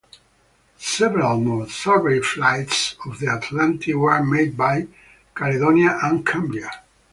Several more survey flights of the Atlantic were made by "Caledonia" and "Cambria".